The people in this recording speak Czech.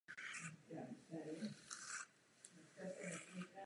Působí zde Sbor dobrovolných hasičů Kozlov.